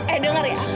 eh denger ya